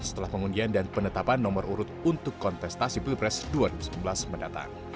setelah pengundian dan penetapan nomor urut untuk kontestasi pilpres dua ribu sembilan belas mendatang